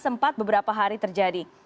sempat beberapa hari terjadi